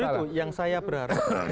itu yang saya berharap